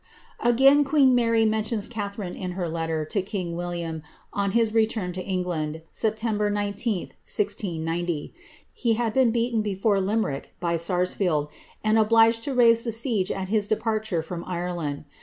Again queen Mary mentions Catliarine in her letter to king Willian on his return to England, September y, 1090. He had been beaten before Limerick by Sarsfield, and obliged to raise the siege at his depar ture from Ireland.